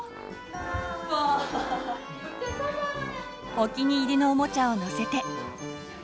お気に入りのおもちゃを乗せて。